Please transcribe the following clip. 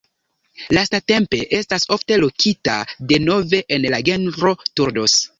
Lastatempe estas ofte lokita denove en la genro "Turdus".